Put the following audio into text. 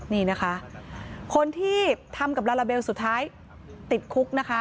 นี่นะคะคนที่ทำกับลาลาเบลสุดท้ายติดคุกนะคะ